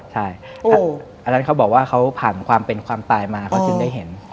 ใช่อันนั้นเขาบอกว่าเขาผ่านความเป็นความตายมาเขาจึงได้เห็น